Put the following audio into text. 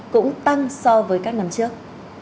cũng tăng so với các năm trước